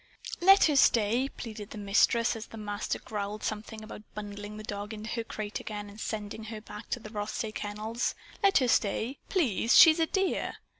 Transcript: "Let her stay!" pleaded the Mistress as the Master growled something about bundling the dog into her crate again and sending her back to the Rothsay Kennels. "Let her stay, please! She's a dear."